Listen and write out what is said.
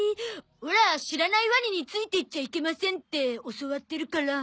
オラ知らないワニについてっちゃいけませんって教わってるから。